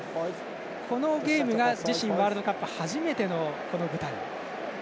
このゲームが自身ワールドカップ初めてのこの舞台。